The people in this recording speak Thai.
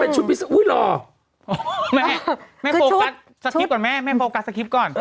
แม่โฟกัสสคริปต์ก่อนแม่แม่โฟกัสสคริปต์ก่อน